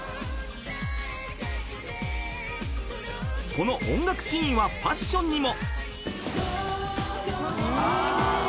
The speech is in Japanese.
［この音楽シーンはファッションにも］